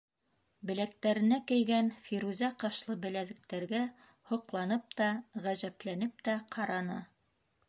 Беләктәренә кейгән фирүзә ҡашлы беләҙектәргә һоҡланып та, ғәжәпләнеп тә ҡараны.